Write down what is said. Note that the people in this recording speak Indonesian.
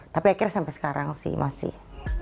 tapi akhirnya sampai sekarang sih masih